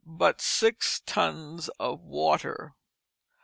but six tuns of water.